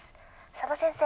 佐田先生